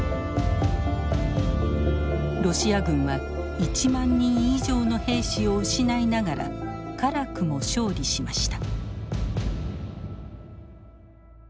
ロシア軍は１万人以上の兵士を失いながら辛くも勝利しました。